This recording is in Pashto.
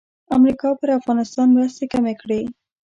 امریکا پر افغانستان مرستې کمې کړې.